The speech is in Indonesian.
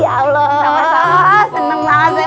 ya allah senang senang